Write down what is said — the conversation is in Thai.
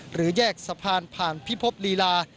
หรือแยกสะพานผ่านพิภพลีลา